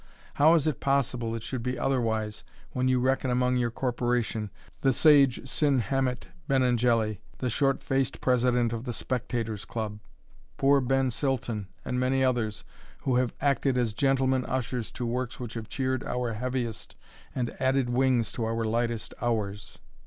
How is it possible it should be otherwise, when you reckon among your corporation the sage Cid Hamet Benengeli, the short faced president of the Spectator's Club, poor Ben Silton, and many others, who have acted as gentlemen ushers to works which have cheered our heaviest, and added wings to our lightest hours?